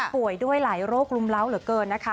ป่วยด้วยหลายโรครุมเล้าเหลือเกินนะคะ